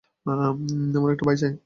এমন একটা ভাই আছে।